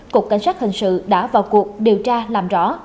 cục cảnh sát hình sự đã vào cuộc điều tra làm rõ